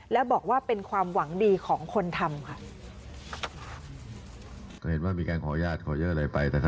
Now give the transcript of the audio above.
และบอกว่าเป็นความหวังดีของคนทำค่ะ